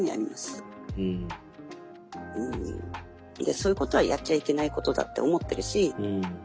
そういうことはやっちゃいけないことだって思ってるし